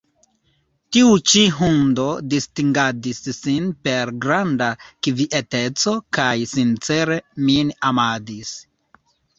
Tiu ĉi hundo distingadis sin per granda kvieteco kaj sincere min amadis.